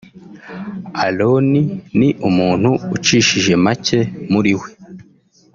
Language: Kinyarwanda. Aaron ni umuntu ucishije macye muri we